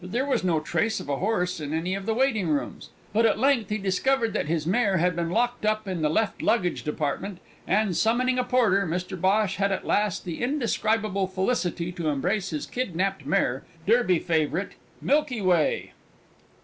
There was no trace of a horse in any of the waiting rooms, but at length he discovered that his mare had been locked up in the Left Luggage department, and, summoning a porter, Mr Bhosh had at last the indescribable felicity to embrace his kidnapped Derby favourite Milky Way!